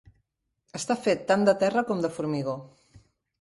Està fet tant de terra com de formigó.